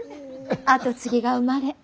跡継ぎが生まれ